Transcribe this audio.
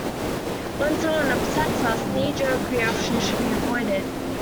When someone upsets us, knee-jerk reactions should be avoided.